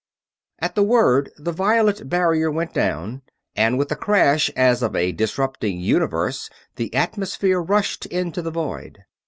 At the word the violet barrier went down, and with a crash as of a disrupting Universe the atmosphere rushed into the void.